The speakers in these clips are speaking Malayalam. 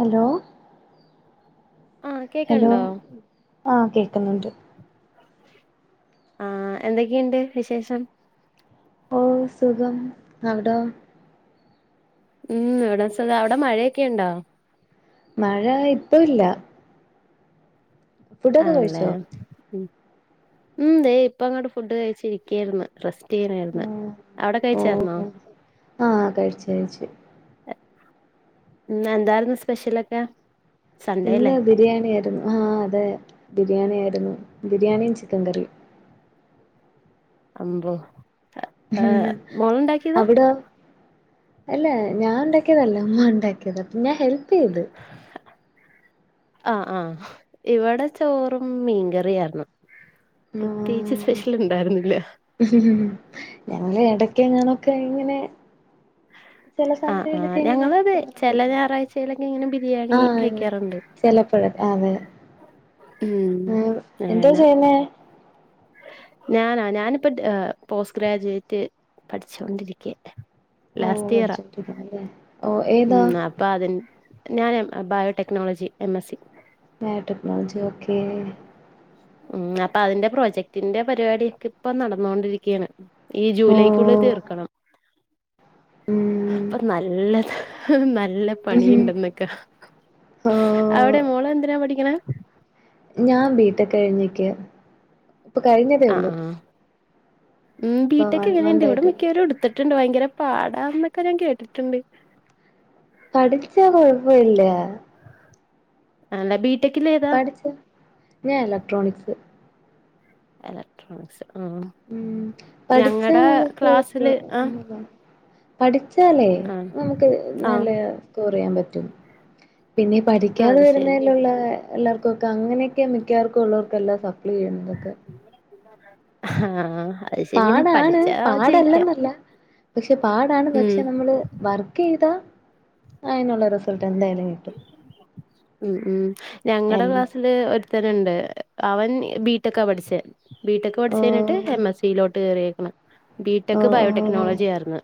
ഹലോ ആഹ് ഹലോ കേക്ക്ൺണ്ടൊ ആഹ് കേക്കുന്നുണ്ട് ആഹ് എന്തൊക്കെയുണ്ട് വിശേഷം ഓഹ് സുഗം അവ്ടോ ഉം അവ്ടെ സുഖാ അവ്ടെ മഴയൊക്കെ ഉണ്ടൊ മഴ ഇപ്പൊ ഇല്ല ഫുഡൊക്കെ ആണ് ലേ കഴിച്ചോ ഉം ഉം ദേ ഇപ്പം അങ്ങാട്ട് ഫുഡ് കഴിച്ചിരിയ്ക്ക്യായിരുന്നു റെസ്റ്റിയ്യണായിരുന്നു അവ്ടെ ഓ കഴിച്ചാരുന്നോ ആഹ് കഴ്ച്ച് കഴ്ച്ച് ഇന്നെന്താരുന്നു സ്പെഷ്യലൊക്കെ സൺഡേല്ലേ ഇന്ന് ബിരിയാണി ആരുന്നു ആഹ് അതെ ബിരിയാണി ആരുന്നു ബിരിയാണിം ചിക്കൻ കറിയ് അമ്പോ ഏഹ് ഉം മോളുണ്ടാക്കിയതാ അവ്ടോ അല്ല ഞാൻ ഇണ്ടാക്കിയതല്ല ഉമ്മ ഉണ്ടാക്കിയത് അപ്പ ഞാൻ ഹെൽപീത് ആഹ് ആഹ് ഇവ്ടെ ചോറും മീൻകറിയാർന്നു പ്രത്യേകിച്ച് ആഹ് സ്പെഷ്യല് ഇണ്ടാര്ന്നില്ല ഞങ്ങള് എടയ്ക്കങ്ങനൊക്കെ ഇങ്ങനെ ചെല ആഹ് ആഹ് സണ്ടേയിലൊക്കെ ഇങ്ങനെ ഞങ്ങളത് ക്കെ ഇങ്ങനെക്കെ ചില വെക്കും ഞായറാഴ്ചയിലൊക്കെ ഇങ്ങനെ ബിരിയാണി ആഹ് അങ്ങനെ കഴിക്കാറുണ്ട് ചെിലപ്പഴൊക്കെ ആ അതെ ഉം എന്താ ചെയ്യുന്നേ ഞാനോ ഞാനിപ്പം പോസ്റ്റ് ഗ്രാജുവേറ്റ് പഠിച്ചോണ്ടിരിയ്ക്കാ ഓ പഠിച്ചോണ്ടിരിക്കാണ്ല്ലേ ഓ ഏതാ അപ്പം അതിൻ ഞാന് biotechnology M S C biotechnology okay ഉം അപ്പൊ അതിന്റെ പ്രോജക്ടിന്റെ പരിപാടിയൊക്കെ ഇപ്പം നടന്നോണ്ടിരിക്ക്യാണ് ഈ ഓ ജൂലൈക്കുള്ളിൽ തീർക്കണം ഉം അപ്പം നല്ലത് നല്ല പണിയുണ്ടെന്നെ ക്കെ ഹ് ഓ അവിടെ മോളെന്തിനാ പഠിക്കണേ ഞാൻ ബി ടെക് കഴിഞ്ഞ് നിക്കാ ഇപ്പം കഴിഞ്ഞതേ ആ ഉള്ളു ആ ഉം ബീ ടെക്ക് എങ്ങനെണ്ട് മന്ത് ഇവിടെ ആയിട്ട് മിക്കവരും ഇടത്ത് ട്ടുണ്ട് ഭയങ്കര പാടാ എന്നൊക്കെ ഞാൻ കേട്ടിട്ടുണ്ട് പഠിച്ചാ കൊഴപ്പ ഇല്ല ആണ് ലെ ബീ പഠിച്ച് ഞാൻ ഇലക്ട്രോണിക്സ് എലക്ട്രോണിക്സ് ആഹ് ഉം പഠിച്ചാ നമുക്ക് ക്ലാസ്സില് ആ കൊഴപ്പോന്നുല്ല. പഠിച്ചാലേ ആ നമുക്ക് ആ നല്ല സ്കോർ ചെയ്യാൻ പറ്റും പിന്നെ പഠിക്കാതെ അത് ശരി വരുന്നതിലുള്ള എല്ലാവർക്കും ഒക്കെ അങ്ങനെയൊക്കെ മിക്കവാർക്കുംള്ളവർക്കേല്ലാം സപ്ലി ചെയ്യുന്നതക്കെ ആഹ് അത് ശരിയാണ് പാടാണ് പഠിച്ചാ ജയിക്കാ പാടല്ലെന്നല്ല പക്ഷെ പാടാണ് ഉം പക്ഷെ നമ്മള് വർക്ക് ചെയ്താ അയിതിനുള്ള റിസൾട്ട് എന്തായാലും കിട്ടും ഉം ഉം ഞങ്ങടെ എൽ ക്ലാസ്സില് ഒരു ത്തനുണ്ട് അവൻ ബിടെക്കാ പഠിച്ചേ ബിടെക് ഓ പഠിച്ചു കഴിഞ്ഞിട്ട് എം എസ് സിയിലോട്ട് കയറിയേക്കണ് ഓ ബിടെക് ഓ ബയോടെക്നോളജി ആയിരുന്നു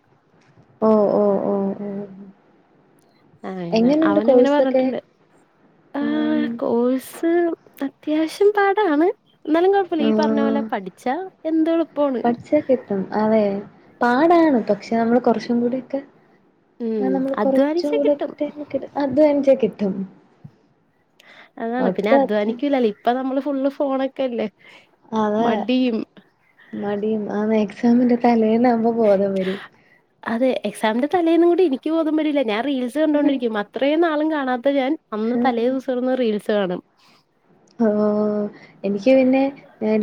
ഓ ഓ ഓ ഓ ആ അയിനാ എങ്ങനെയുണ്ട് അവൻ ഇങ്ങനെ കോഴ്സൊക്കെ പറഞ്ഞിട്ടുണ്ട് ആ ഉം കോഴ്സ് അത്യാവശ്യം പാടാണ് എന്നാലും കുഴപ്പില്ല ഈ പറഞ്ഞ പോലെ ആഹ് പഠിച്ചാ എന്തും എളുപ്പമാണ് അഹ് അതെ പാടാണ് പക്ഷെ നമ്മള് കുറച്ചും കൂടിക്കെ ഉം ആ നമ്മള് കുറച്ചും അധ്വാനിച്ചാ കൂടെ കിട്ടും ടൈംക്കെട്ട അദ്ധ്വാനിച്ചാ കിട്ടും അതാണ് പിന്നെ ഒട്ടും അധ്വാ അധ്വാനിക്കുലല്ലേ ഇപ്പ നമ്മള് ഫുള്ള് ഫോണൊക്കെല്ലേ അതെ മടിയും മടിയും ആ എക്സാമിന്റെ തലേന്നവുമ്പോ ബോധം വരും അതെ എക്സാമിന്റെ തലേന്നും കൂടി എനിക്ക് ബോധം വരീല ഞാൻ റീൽസ് കണ്ടുകൊണ്ടിരിക്കും അത്രയും നാളും കാണാത്ത ഞാൻ അന്ന് തലേ ഉം. ദിവസ കിടന്ന് റീൽസ് കാണും അവോ എനിക്ക് പിന്നെ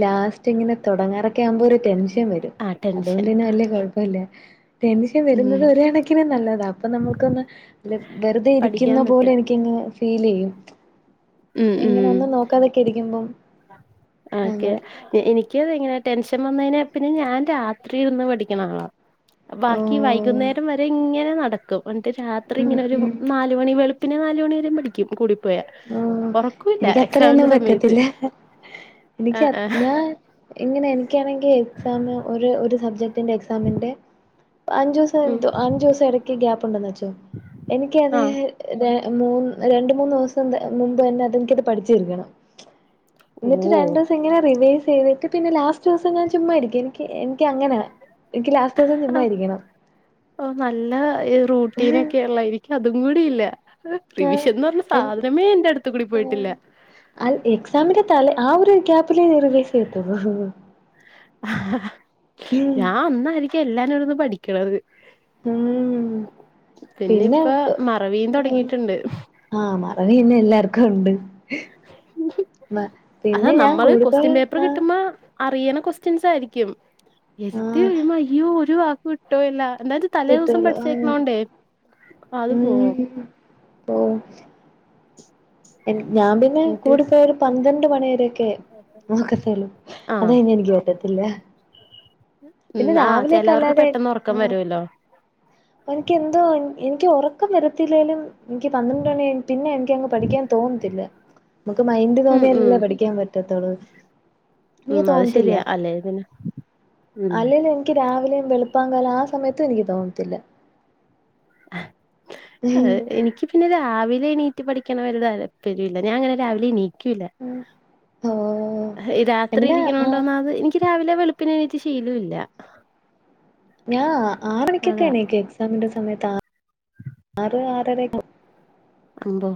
ലാസ്റ്റ് ഇങ്ങനെ തുടങ്ങാറൊക്കെ ആകുമ്പോ ഒരു ടെൻഷൻ വരും ആ ത് അതുകൊണ്ട് ടെൻഷൻ തന്നെ ആ വല്യ കുഴപ്പല്ല ടെൻഷൻ വരുന്നത് ഉം ഒരു കണക്കിന് നല്ലതാണ് അപ്പൊ നമ്മുക്കൊന്ന് വെറുതെ ഇരിക്കുന്ന പഠിക്കാൻ പോലെ പറ്റും എനിക്ക് ത്തിങ് ഫീൽ ചെയ്യും എങ്ങനെ ഒന്നും നോക്കാതൊക്കെ ഇരിക്കുമ്പം ആ ക്കെ അങ്ങനെ എനിക്ക് ക്ക് അതെ എങ്ങനെ ടെൻഷൻ വന്ന് കഴിഞ്ഞാ പിന്നെ ഞാൻ രാത്രി ഇരുന്ന് പഠിക്കണ ആളാ ഓ ബാക്കി വൈകുന്നേരം വരെ ഇങ്ങനെ നടക്കും എന്നിട്ട് രാത്രി ഉം ഇങ്ങനെ ഒരു നാ ഉം നാലുമണി വെളുപ്പിനെ നാല് മണി വരെ പഠിക്കും കൂടിപ്പോയാ ഓ ഉറക്കൂല്ല എനിക്കത്രൊന്നും എക്സാമിന്റെ സമയത്ത് പറ്റത്തില്ല ആ എനിക്ക് അ ആ ഞാൻ ഇങ്ങനെ എനിക്കാണെങ്കി എക്സാം ഒര് ഒരു സബ്ജ എക്സാമിന്റെ അഞ്ചു സം ഉം അഞ്ചു സം ഇടയ്ക്ക് ഗ്യാപ്പ്ണ്ടെന്ന് വച്ചോ എനിക്ക് അത് ആ ര മൂന്ന് രണ്ട് മൂന്ന് സം മുമ്പ് തന്നെ അത് എനിക്കത് പഠിച്ചിരിക്കണം ന്ന്ട്ട് ഓ രണ്ടു സം ഇങ്ങനെ റിവൈസ് ചെയ്തിട്ട് പിന്നെ ലാസ്റ്റ് സം ഞാൻ ചുമ്മായിരിക്കും എനിക്ക് എനിക്ക് അങ്ങനെ എനിക്ക് ലാസ്റ്റ് സം ആഹ് ഓ നല്ല ഇ റൂട്ടീനൊക്കെ ഇള്ള യിരി- അതും കൂടിയില്ല ആഹ് റിവിഷന്ന് പറഞ്ഞ സാധനമേ എന്റെ അടുത്ത് കൂടി പോയിട്ടില്ല അൽ എക്സാമിന്റെ തലെ ആഹ് ഒര് ഗ്യപ്പ്ല് റിവേസ്‌ [unintelligible] ഞാ ഒന്നായിരിക്കും എല്ലാരും ന്ന് പഠിക്ക്ണത് ഉം പിന്നെ ഇപ്പ മറവിയും തോടങ്ങിട്ട്ണ്ട് ആഹ് മറവി തന്നെ എല്ലാർക്കും ഇണ്ട് മ അതാ പിന്നെ ഞാൻ നമ്മള് കൂടു [unintelligible] ക്വസ്റ്റ്യൻ പേപ്പർ ആഹ് കിട്ടുമ്പോ അറിയണ കൊക്വസ്റ്റ്യൻസ് ആയിരിക്കും എരുതി ആഹ് ഒരു മയ്യോ ഒരു വാക്ക് വിട്ടോയല്ല എന്താ തലേ ദിവസം കിട്ടുവല്ലോ ആഹ് പഠിച്ചേക്കണോണ്ടേ അത് പോവും ഓ ഞാൻ പിന്നെ എന്നിട്ട് കൂടിപ്പോയ ഒരു പന്ത്രണ്ട് മണി വരൊക്കെ ആക്കത്തേളു ആഹ് അതഞ്ഞ എനിക്ക് പറ്റത്തില്ല പിന്നെ ഉം ആഹ് രാവിലെയൊക്കെ ചെലവർക്ക് അല്ലാതെ പെട്ടെന്ന് ഒറക്കം ആഹ് വരുവല്ലോ. എനിക്ക് എന്തോ എനിക്ക് ഒറക്കം വരത്തില്ലേലും എൻക്കി പന്ത്രണ്ട് മണിയായ പിന്നെ എനിക്കങ്ങ് പഠിക്കാൻ തോന്നത്തില്ല മ്ക്ക് മൈൻഡ് ഉം ഉം തോന്നിയാലല്ലേ പഠിക്കാൻ പറ്റാത്തള്ളൂ നീ ഉം അത് തോന്നത്തില്ല ശരിയാ അല്ലേ പിന്നെ ഉം അല്ലെ [unintelligible] ന്ക്കി രാവിലെയും വെളുപ്പാകാലം ആഹ് സമയത്തും എനിക്ക് തോന്നത്തില്ല അഹ് എനിക്ക് പിന്നെ രാവിലെനീറ്റ് പഠിക്കനൊരു താല്പര്യ ഇല്ല ഞാനങ്ങനെ രാവിലെ ണി - ക്കൂല ഓ രാത്രി പിന്നെ ഇരിക്കണണ്ടോന്നാത് നിക്ക് രാവിലെവെളുപ്പിനെണീറ്റ് ശീലവൂ ല്ല. ഞാ അതാ ആറണിക്കൊക്കെണീക്കും എക്സാമിന്റെ സമയത്ത് ആഹ് ആറ് ആറര അമ്പൊ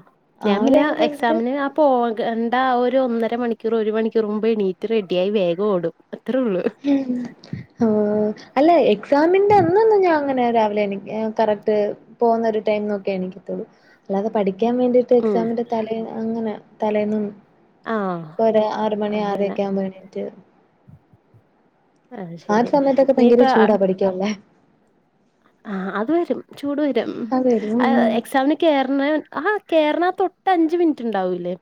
ആറ് ഞാപിന്നെ രാവിലെ എക്സാമിന് ആഹ് പോക. ണ്ട ഒരു ഒന്നര മണിക്കൂർ ഒരു മണിക്കൂർ മുമ്പെണീറ്റ് റെഡിയായി വേഗംഓടും അത്രള്ളൂ ഉം ഓ അല്ല എക്സാമിന്റെ അന്നൊന്നും ഞാ ങ്ങ- ഞാ രാവിലെ എണീക്ക കറക്റ്റ് പോവു ന്നൊരു ടൈം നോക്കി എണീക്ക ത്തൊള്ളൂ ല്ലാതെ പഠിക്കാൻ വേണ്ടിട്ട് ഉം എക്സാമിന്റെ തലേ ങ്ങനെ തലേന്നും ആഹ് ഒര ആറ്മണി അങ്ങനെ ആറരരൊക്കാവുമ്പോ ണീറ്റ് അത് ആഹ് ശരി സമയത്തൊക്കെ ഇനിയിപ്പ ഭയങ്കര ചൂടാ പഠിക്കാ ല്ലേ ആഹ് അത് വരും ചൂട് വരും അതെ ഉം അഹ് എക്സാമിന് കേറന ആഹ് കേറന തൊട്ട് അഞ്ച് മിനിറ്റ് ഇണ്ടാവൂല്ലേ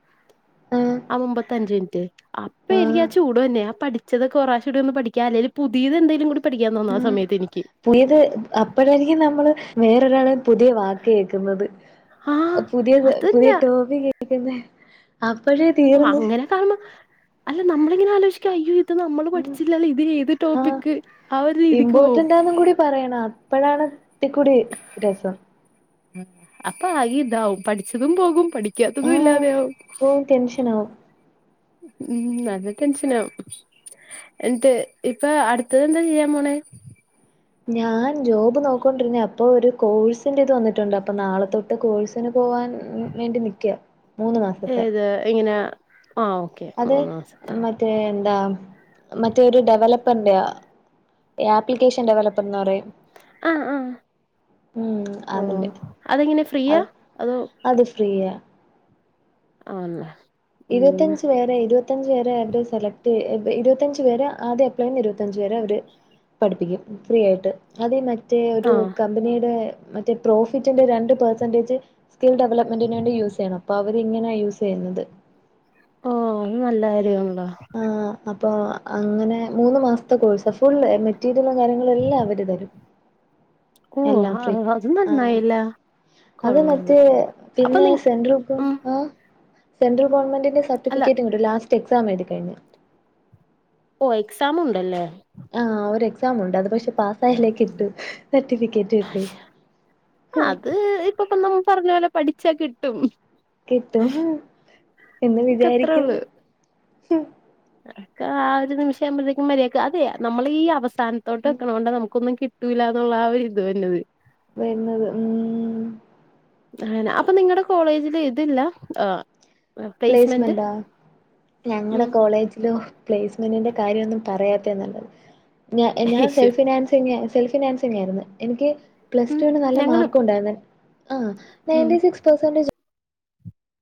ആഹ് മുമ്പത്തെ അഞ്ച് മിൻറ്റ് അപ്പെരിക്കും ആഹ് ചൂട് വര്നെ ആഹ് പഠിച്ചതൊക്കെ ഒറാശൂടെ ഒന്ന് പഠിക്കാ അല്ലേല് പുതീത് എന്തേലും കൂടി പഠിക്കാൻതോന്ന ആഹ് സമയത്ത് എനിക്ക് പുയത് അപ്പഴായിരിക്കും നമ്മള് വേറൊരാള് പുതിയ വാക്ക് കേക്ക്ന്നത് ആഹ് പുതിയ പുതിയ അതന്നെ ടോപികേക്കുന്ന അപ്പഴേ തീർന്ന് കാരണം അല്ല നമ്മളെങ്ങനാ ആലോചിക്കാ അയോ - ത് നമ്മള് ഉം പഠിച്ചില്ലല്ലോ ഇത്‌ ഏത് ടോപ്പിക് ആ ഒര് രീതിക്ക് പോവും. തും കൂടി പറയണ അപ്പഴാണ് ഇത്തിക്കൂടി രസം അപ്പ ആക്കി താവും പഠിച്ചതും പോകും പഠി ക്ക്യാത്തതും ആഹ് ഇല്ലാത്യാവും. ഓഹ് ടെൻഷനാവും ഉം നല്ല ടെൻഷനാവും. എന്ന്ട്ട് ഇപ്പ അട്ത്തത്തെന്താ ചെയ്യാ പോണെ? ഞാൻ ജോബ് നോക്കോണ്ട്രിര്ന്ന അപ്പൊ ഒരു കോഴ്സിന്റെത് വന്ന്ട്ട്ണ്ട് അപ്പ നാളെത്തെ ട്ട് കോഴ്സിന് പോവാൻ വേണ്ടി നിക്ക. മൂന്ന് മാസത്തെ ഏത് ഇങ്ങനാ ആഹ് ഓക്കെ അത് മൂന്ന് മാസത്തെ മറ്റേ എന്താ മറ്റേരു ഡെവലപ്പന്റ ആപ്ലിക്കേഷൻ ഡെവലപ്പെന്ന് പറയും ആഹ് ആഹ് ഉം ഓ അതിന്റെ അതെങ്ങനെ അ ഫ്രീയാ അതോ അത് ഫ്രീയാ ആന്ന് ഇരുവത്തഞ്ച് വേറേ ഇരുവ ഇരുവത്തഞ്ച് പേരെ അവടെ സെലക്ട് എബ് ഇരുവത്തഞ്ച്‌ പേരെ ആദ്യ അപ്ലൈന്ന് ഇരുവത്തഞ്ച് പേരെ അവര് പഠിപ്പിക്കും ഫ്രീയായിട്ട് അത് മറ്റേ ഒരു ആഹ് കമ്പനീടെ മറ്റേ പ്രോഫിറ്റിന്റെ രണ്ട് പെർസെന്റേജ് സ്കിൽ ഡെവലപ്മെന്റിന് വേണ്ടി യൂസെയ്യണം അപ്പ അവരിങ്ങനാ യൂസെയ്യുന്നത്. ഓ അത് നല്ല കാര്യാണല്ലോ. ആഹ് അപ്പൊ അങ്ങനെ മൂന്ന് മാസത്തെ കോഴ്സാ ഫുൾ മെറ്റീരിയലും കാര്യങ്ങളും എല്ലാം അവര് തരും [inaudible] ക്കൂ എല്ലാം ഫ്രീ ആഹ് അതു ആ നന്നായില്ലാ അത് മറ്റേ പിന്നെ സെൻട്രൽ ഉം ഗവൺമെൻ്റിൻ്റാ സെൻട്രൽ ഗവൺമെന്റിന്റെ അല്ല സർട്ടിഫിക്കറ്റ് കിട്ടു ലാസ്റ്റ് എക്സാംമെഴ്തി കഴിഞ്ഞ. ഓഹ് എക്സാമ്ണ്ടല്ലേ. ആഹ് ഒരെക്സാമുണ്ട് അത് പക്ഷെ പാ സായാലേ കിട്ടു സർട്ടിഫിക്കറ്റ് കിട്ടു ഇതൊക്കെ നമ്മ് പർഞ്ഞ പോലെ പഠിച്ചാ കിട്ടും. കിട്ടും എന്ന് ഒക്കെ വിചാരിക്കുന്നു. ഒക്കാ ഒരു നിമിഷം ആവുമ്പഴത്തേക്കും മര്യായിക്ക് അതെ നമ്മളീ അവസാനതൊട്ട് വെക്ക്ണോണ്ട നമുക്കൊന്നും കി ട്ടൂല്ലന്നുള്ള ആ ഒര് ഇത് വെര്ന്നത്. വരുന്നത് ഉം ആന അപ്പൊ നിങ്ങടെ കോളേജില് ഇതില്ല ആഹ് പ്ലേസ്മെന്റാ ഉം ഞങ്ങടെ കോളേജിലോ പ്പേസ്മെന്റിന്റെ കാര്യൊന്നും പറയാത്തെയാ നല്ലത് ഞ എഹ് ഞാൻ സെൽഫിനാൻസെന്യാ സെൽഫിനാൻസ് സെന്യായിര്ന്ന് എനിക്ക് പ്ലസ് ഉം ടുല് നല്ല ഞങ്ങളും മാർക്കുണ്ടായിന്ന് ആഹ് ഉം നയൻ്റീ സിക്സ് പേസെൻടേജ്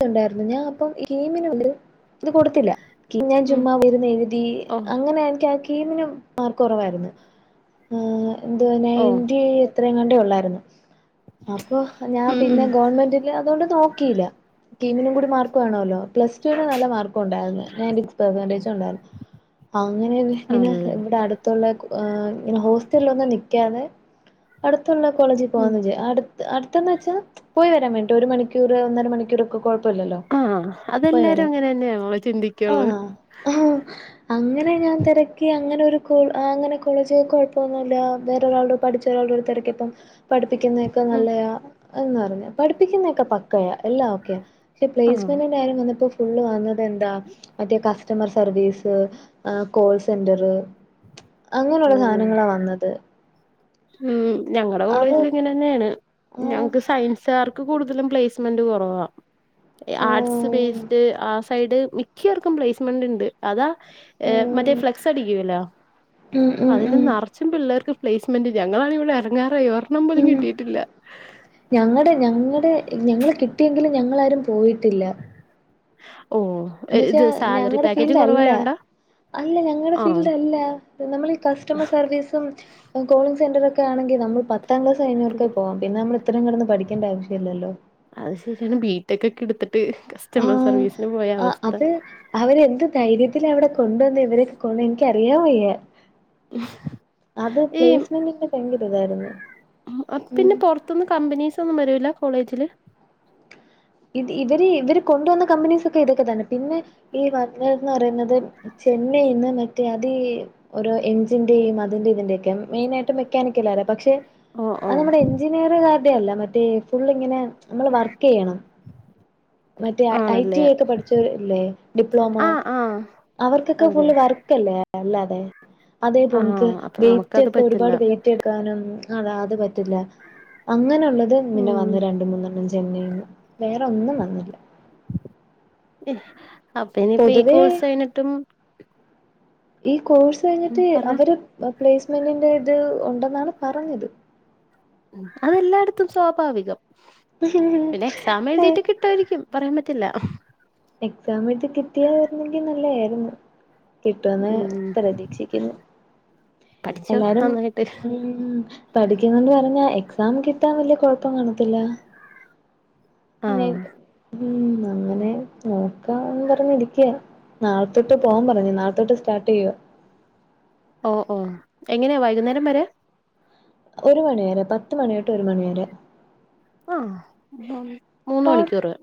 ഉണ്ടായിരുന്നു ഞാൻ അപ്പം [unintelligible] ഇത് കൊട്ത്തില്ല. കി [unintelligible] ഞാൻ ഉം ചുമ്മാ പോയിര്ന്ന് എഴ്തി ഓ അങ്ങനെ എനിക്ക കീമിനും മാർക്കൊറവായിര്ന്ന് എഹ് എന്തുവാ ഓ നയന്റി ഇത്രേങ്ങാണ്ട് ഒള്ളായിര്ന്നു അപ്പൊ ഞാൻ ഉം പിന്നെ ഉം ഗവണ്മെന്റില് അതോണ്ട് നോക്കില്ല. കീമിനും കൂടി മാർക്ക് വേണോല്ലോ പ്ലസ് ടുവിന് നല്ല മാർക്കുണ്ടായിര്ന്ന് നയന്റി സിക്സ് പെർസെന്റേജ് ഉണ്ടായിരുന്നു. അങ്ങനെ [unintelligible] ഇങ്ങനെ ആണല്ലേ ഇവടെ അട് തൊള്ളേക്ക് ഏഹ് ഹോസ്റ്റൽഒന്നും നിക്കാതെ അടുത്തുള്ള കോളേജിൽ ഉം പോകന്ന് വേജ് അടു അടുത്തന്ന് വെച്ചാ പോയി വരാൻ വേണ്ട ഒരു മണിക്കൂർ ഒന്നര മണിക്കൂറൊക്കെ കൊഴപ്പല്ലല്ലോ ആഹ് പോയി അതെല്ലാരും വരാ അങ്ങനെന്നെയാ നമ്മള് ചിന്തിക്കുള്ളൂ ആഹ് ആഹ് അങ്ങനെ ഞാൻ തെര ക്കെ അങ്ങനൊരു കുൾ അങ്ങനെളെ കോളേജ കൊഴ്പ്പന്നുല്ല അ വേറ ഒരാൾടൊ പഠിച്ച ഒരാളോട തെരക്കിയപ്പം പഠിപ്പിക്കുന്നയൊക്കെ ഉം നല്ലയ എന്ന് പറഞ് പഠിപ്പിക്കുന്നയൊക്കെ പക്കയ എല്ലാ ഓക്കെയ പക്ഷെ ആഹ് പ്ലേസ്മെന്റിന്റെ കാര്യം വന്നപ്പോ ഫുള് വന്നത് എന്താ മറ്റേ കസ്റ്റമർ സർവീസ് ആഹ് കോൾ സെന്റർ അങ്ങനുള്ള ഓഹ് സാധനങ്ങളാ വന്നത് ഉം ഞങ്ങടെ അത് ആഹ് കോളേജിലു ഇങ്ങനെന്നെയാണ് ഓഹ് ഞങ്ങക്ക് സയൻസ് സാർക്ക് കൂടുതലും പ്ലേസ്മെന്റ് കുറവാ ആർട്സ് ഓഹ് ബേസ്ഡ് ആ സൈഡ് മിക ക്കാർക്കും പ്ലേസ്മെന്റ്ണ്ട് അതാ ഏഹ് മറ്റേ ഫ്ലെക്സ് അടിക്കല്ലോ ഉം ഉം അതിൽ ഉം നറച്ചും പിള്ളേർക്ക് പ്ലേസ്മെ മന്റ് ഞങ്ങളാണെ ഇവിടെ എർങ്ങാറായി എരെണ്ണം പോലും ഉം കിട്ടിയിട്ടില്ല ഞങ്ങടെ ഞങ്ങടെ ഞങ്ങള് കിട്ടിയെങ്കിലും ഞങ്ങളാരും പോയിട്ടില്ല ഓഹ് എന്നുവച്ചാ ഇത് സാലറി ഞങ്ങൾടെ പാക്കേജ് ഫീൽഡ് അല്ല കുറവായോണ്ടാ അല്ല ഞങ്ങൾടെ ആഹ് ഫീൽഡ് അല്ല നമ്മൾ ഈ കസ്റ്റമർ സർവീസും കോളിംഗ് സെന്ററൊക്കെ ആണെങ്കിൽ നമ്മൾ പ ത്താംക്ലാസ് അത് കൈഞ്ഞോർക്കും പോവാ പിന്നെ നമ്മളിത്രയും കെടന്ന് പഠിക്കണ്ട ആവശ്യല്ലല്ലോ അത് ശരിയാണ് ബിടെക്കക്കെ എടുത്തിട്ട് കസ് അഹ് അഹ് അത് അവരെന്ത് ധൈര്യത്തിലവിടെ കൊണ്ടുവന്ന് ഇവരൊക്കെ കൊണ്ട് എനിക്കറിയാൻ വയ്യ അത് പ്ലേസ്മെന്റിന്റെ ഭയങ്കര ഇതായിരുന്നു ഉം അപ്പോ പിന്നെ പൊറത്ന് കമ്പനീസൊന്നും വരൂല കോളേജില് ഇത് ഇവര് ഇവര് കൊണ്ടുവന്ന കമ്പനീസ് ഒക്കെ ഇതൊക്കെ തന്നെ പിന്നെ ഈ വഞ്ഞന്ന് പറയ്ന്നത് ചെന്നൈന്ന് മറ്റേ അതി ഒരോ എഞ്ചിന്റെയും അതിന്റെ ഇതിന്റെ ഒക്കെ മെയിനായിട്ട് മെക്കാനിക്കലരെ പക്ഷെ ഓ ഓ അത് നമ്മുടെ എഞ്ചിനീയർകാരുടെ അല്ല മറ്റേ ഫുള്ളിങ്ങനെ നമ്മള് വർക്കെയ്യണം മറ്റേ ഐ ആണല്ലേ ടി ഐ ഒക്കെ പഠിചോർല്ലേ ഡിപ്ലോമ ആഹ് ആഹ് അവർക്കൊക്കെ അതെ ഫുള് വർക് ക്കല്ലേ അല്ലാതെ അതെ ആഹ് പൊൻക്ക് അപ്പൊ വെയ്റ്റ് നമുക്കത് ഒക്കെ പറ്റില്ല ഒരുപാട് വെയ്റ്റ് ക്കാനും അത അത് പറ്റില്ല അങ്ങനെയുള്ളത് പിന്നെ വന്ന് ഉം രണ്ട് മൂന്നെണ്ണം ചെയ ചെന്നൈയിന്ന് വേറെ ഒന്നും വന്നില്ല അപ്പൊ ഇനിപ്പോ ഈ പൊതുവേ കോഴ്സ് കഴിഞ്ഞിട്ടും ഈ കോഴ്സ് ഉം കഴിഞ്ഞിട്ട് പറഞ്ഞോ അവര് പ്ലേസ്മെന്റിന്റെ ഇത് ഉണ്ടെന്നാണ് പറഞ്ഞത് അതെല്ലായിടത്തും സ്വാഭാവികം പിന്നെ ക്സാ എഴുതിട്ട് കിട്ടുവായിരിക്കും പറയാൻ പറ്റില്ല എക്സാം എഴത്ത് കിട്ടിയായിരുന്നെങ്കിൽ നല്ലയായിരുന്നു കിട്ടുവെന്ന് ഉം പ്രതീക്ഷിക്കുന്നു പഠിച്ചോ എല്ലാരും നന്നായിട്ട് ഉം പഠിക്കുന്നുണ്ട് പറഞ്ഞ എക്സാം കിട്ടാൻ വലിയ കുഴപ്പം കാണത്തില്ല [unintelligible] ആഹ് ഉം ന്ന അങ്ങനെ നോക്കാന്ന് പറഞ്ഞിരിക്കയാ നാളത്തോട്ട് പോവാൻ പറഞ്ഞു നാളത്തോട്ട് സ്റ്റാർട്ട് ചെയ്യുവ ഓഹ് ഓഹ് എങ്ങനെയാ വൈകുന്നേരം വരെ ഒരു മണിവരെ പത്ത് മണി തൊട്ട് ഒരു മണിവരെ ആഹ് പ്പം മൂന്ന് മണിക്കൂറ്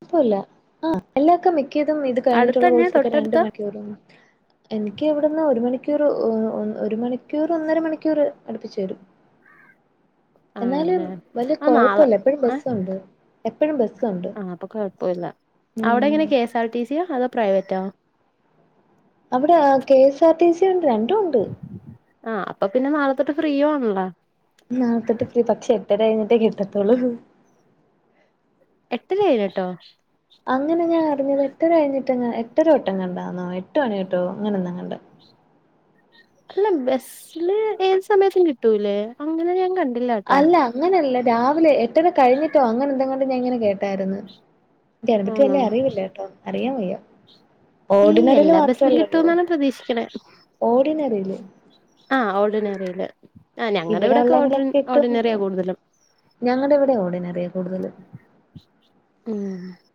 കൊഴപ്പല്ല അഹ് എല്ലാവർക്കും മിക്കതും ഇത് കഴിഞ്ഞിട്ടുള്ള അടുത്തന്നെ കോഴ്സോക്കെ രണ്ട് തൊട്ടടുത്താ മണിക്കൂർ ഒള്ളു എനിക്ക് ഇവിടുന്ന് ഒരു മണിക്കൂർ ഒരു മണിക്കൂർ ഒന്നര മണിക്കൂർ അടുപ്പിച്ചു തരും എന്നാലും ആണല്ലേ വല്യ ആഹ് നാളെ കൊഴപ്പല്ല എപ്പോഴും ഏഹ് ബസ്സുണ്ട്. എപ്പഴും ബസ്സുണ്ട് ആഹ് അപ്പൊ കോഴപ്പല്ല. അവിടെ ഉം എങ്ങനെ കെ എസ് ആർ ടി സിയോ, അതോ പ്രൈവറ്റാ അവിടെ കെ സ കെ സ ടി സി ഉണ്ട്. രണ്ടും ഉണ്ട്. ആഹ് അപ്പൊ പിന്നെ നാള തൊട്ട് ഫ്രീയും ആണല്ലോ? നാളെ തോട്ട് ഫ്രീ പക്ഷെ എട്ടര കഴിഞ്ഞിട്ടേ കിട്ടത്തോളൂ. എട്ടര കഴിഞ്ഞിട്ടോ? അങ്ങനെ ഞാൻ അറിഞ്ഞത് എട്ടര കഴിഞ്ഞിട്ടങ്ങാ എട്ടരതൊട്ട് ങ്ങണ്ടന്നോ എട്ട് മണിതൊട്ടോ അങ്ങനെന്ത കണ്ട അല്ല ബസ്സില് ഏത് സമയത്തും കിട്ടൂല്ലേ? അങ്ങനെ ഞാൻ കണ്ട അല്ല അങ്ങനെയല്ല രാവിലെ എട്ടര കഴിഞ്ഞിട്ടോ അങ്ങനെ എന്തെങ്ങാണ്ട് ഞാൻ ഇങ്ങനെ കേട്ടായിരുന്നു. ഇന്ക് അയിനെ പറ്റി ആണോ വല്ല അറിവില്ല കേട്ടോ? അറിയാൻ വയ്യ. ഈ ഓർഡിനറിയില് എല്ലാ ബസ്സിലും മാത്രല്ല ല്ലോ? കിട്ടുമെന്നാണ് പ്രതീക്ഷിക്കണേ ഓർഡിനറിയില് ആഹ് ഓൾഡിനറില്. ഇവിടെ ഉള്ളതിലൊക്കെ കിട്ടോ എന്തോ? കൂടുതലും ഞങ്ങളുടെ ഇവിടെ ഓഡിനറിയാ കൂടുതൽ. ഉം